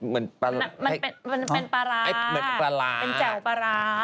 มันเป็นปลาร้า